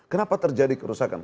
kenapa terjadi kerusakan